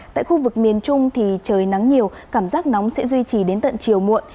tại khu vực miền trung thì trời nắng nhiều cảm giác nóng sẽ duy trì đến tận chiều muộn